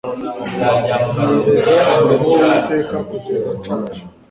niyereza umurimo w'uwiteka kugeza nshaje